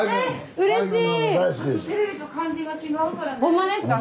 うれしい。